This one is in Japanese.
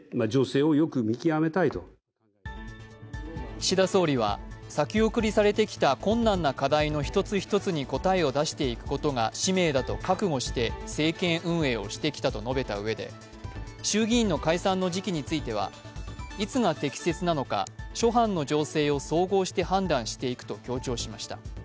岸田総理は先送りされてきた困難な課題の一つ一つに答えを出していくことが使命だと覚悟して政権運営をしてきたと述べたうえで衆議院の解散の時期についてはいつが適切なのか諸般の情勢を総合して判断していくと強調しました。